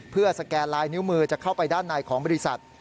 เพื่อสแกนลายนิ้วมือจะเข้าไปด้านในของบริษัท